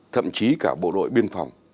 thậm chí cả bộ đội biên phòng